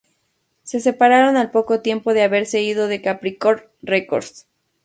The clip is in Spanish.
Se separaron al poco tiempo de haberse ido de Capricorn Records.